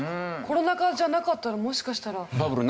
コロナ禍じゃなかったらもしかしたら。